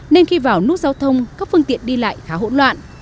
nên khi vào nút giao thông các phương tiện đi lại khá hỗn loạn